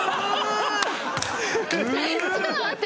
ちょっと待って。